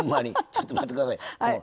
ちょっと待って下さい。